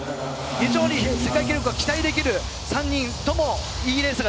非常に世界記録を期待できる３人ともいいレースができてます。